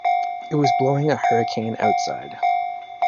It was blowing a hurricane outside.